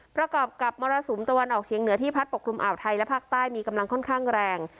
ประกอบกับมรสุมตะวันออกเฉียงเหนือที่พัดปกคลุมอ่าวไทยและภาคใต้มีกำลังค่อนข้างแรง